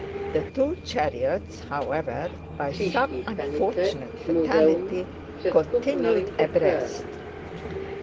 The two chariots, however, by some unfortunate fatality continued abreast.